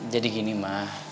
jadi gini mah